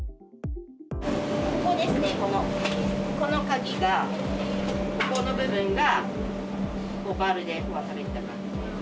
ここですね、この鍵が、ここの部分がバールで壊されてた感じで。